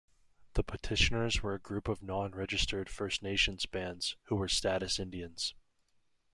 The petitioners were a group of non-registered First Nations bands who were status Indians.